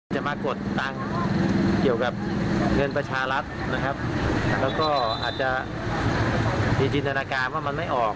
มากดตังค์เกี่ยวกับเงินประชารัฐนะครับแล้วก็อาจจะมีจินตนาการว่ามันไม่ออก